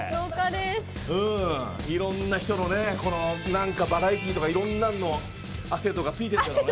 いろんな人の、バラエティーとかいろんなの、汗とかついてるから。